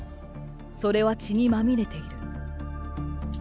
それは血にまみれている。